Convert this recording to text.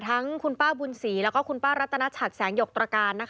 ทั้งคุณป้าบุญศรีแล้วก็คุณป้ารัตนชัดแสงหยกตรการ